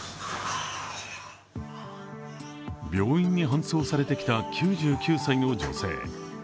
病院に搬送されてきた９９歳の女性。